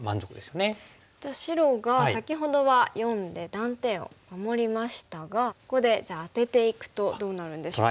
じゃあ白が先ほどは④で断点を守りましたがここでじゃあアテていくとどうなるんでしょうか？